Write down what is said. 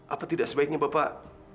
apa tidak sebaiknya bapak